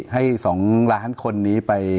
ให้๒ล้านคนนี้ไป